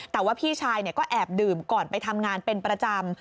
แต่ว่าพี่ชายก็แอบดื่มก่อนไปทำงานเป็นประจำ